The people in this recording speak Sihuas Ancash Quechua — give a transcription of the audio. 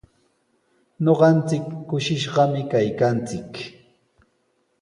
Ñuqanchik kushishqami kaykanchik.